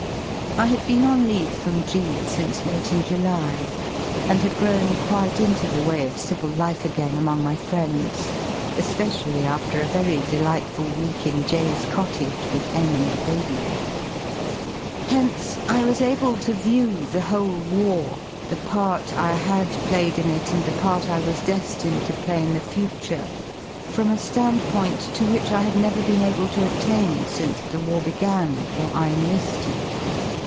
I had been on leave from G since late in July, and had grown quite into the way of civil life again among my friends, especially after a very delightful week in J 's cottage with M and the baby. jvt Hence I was able to view the whole war, the part I had^ played in it and the part I was defined to play in the future, from a ^andpoint to which I had never been able to attain since the war began or I enli^ed.